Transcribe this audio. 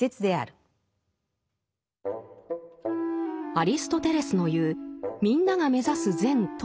アリストテレスの言う「みんなが目指す善」とは何か？